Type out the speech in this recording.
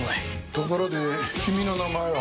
ところで君の名前は？